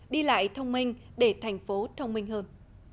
đi lại thông minh để thành phố thông minh hơn